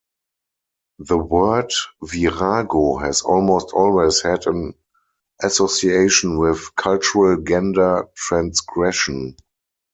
The word "virago" has almost always had an association with cultural gender transgression.